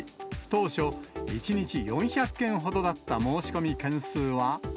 当初、１日４００件ほどだった申し込み件数は。